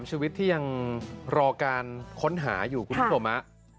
ชีวิตที่ยังรอการค้นหาอยู่คุณผู้ชมฮะ